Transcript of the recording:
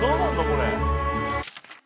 これ」